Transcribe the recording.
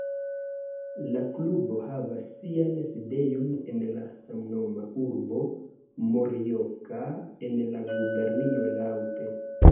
La klubo havas sian sidejon en la samnoma urbo Morioka en la gubernio Iŭate.